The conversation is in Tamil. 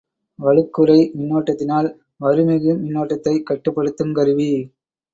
வலுக்குறை மின்னோட்டத்தினால் வறுமிகு மின்னோட்டத்தைக் கட்டுப்படுத்துங் கருவி.